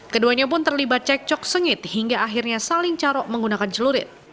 keduanya pun terlibat cek cok sengit hingga akhirnya saling carok menggunakan celurit